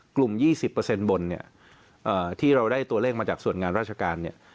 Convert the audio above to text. ๒๐บนเนี่ยที่เราได้ตัวเลขมาจากส่วนงานราชการเนี่ย